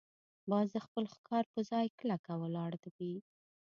باز د خپل ښکار پر ځای کلکه ولاړ وي